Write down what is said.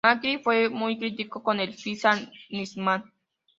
Macri fue muy crítico con el fiscal Nisman.